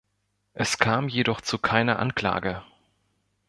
Es kam jedoch zu keiner Anklage.